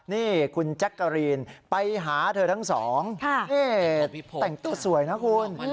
นี่คุณแจ๊กกะรีนไปหาเธอทั้งสองนี่แต่งตัวสวยนะคุณ